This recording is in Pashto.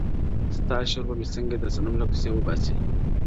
ستا شور به مي څنګه د صنم له کوڅې وباسي .!